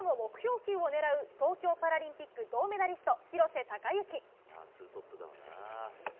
球を狙う、東京パラリンピック銅メダリスト、廣瀬隆喜。